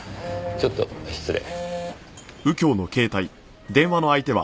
ちょっと失礼。